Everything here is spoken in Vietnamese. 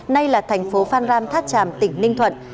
nay là thành phố phan rang tháp tràm tỉnh ninh thuận